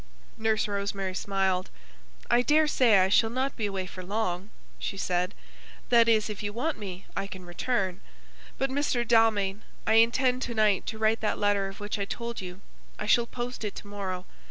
Nurse Rosemary smiled. "I daresay I shall not be away for long," she said. "That is, if you want me, I can return. But, Mr. Dalmain, I intend to night to write that letter of which I told you. I shall post it to morrow.